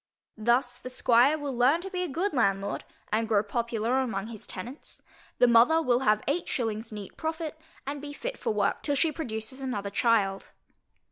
Thus the squire will learn to be a good landlord, and grow popular among his tenants, the mother will have eight shillings neat profit, and be fit for work till she produces another child.